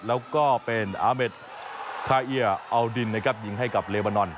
แล้วก็เป็นอาเมดคาเอียเอาดินนะครับยิงให้กับเลบานอน